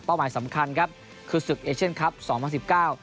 หมายสำคัญครับคือศึกเอเชียนคลับสองพันสิบเก้า